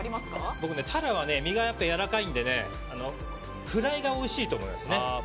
僕、タラは身がやわらかいのでフライがおいしいと思いますね。